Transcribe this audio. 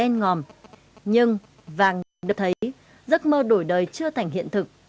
ngòm nhưng vàng được thấy giấc mơ đổi đời chưa thành hiện thực